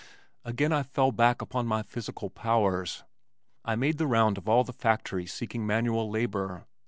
Again I fell back upon my physical powers. I made the round of all the factories seeking manual labor.